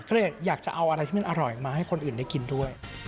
ก็เลยอยากจะเอาอะไรที่มันอร่อยมาให้คนอื่นได้กินด้วย